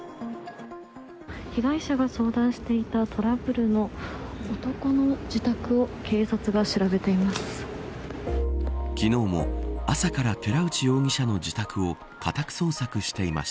被害者が相談していたトラブルの男の自宅を警察が調べています。